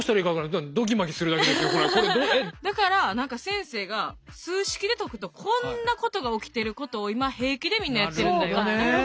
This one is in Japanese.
だから先生が数式で解くとこんなことが起きてることを今平気でみんなやってるんだよっていう。